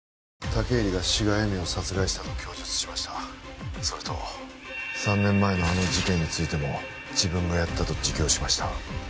武入が志賀恵美を殺害したと供述しましたそれと３年前のあの事件についても自分がやったと自供しました